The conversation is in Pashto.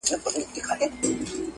• قاضي و ویل حاضر کئ دا نا اهله,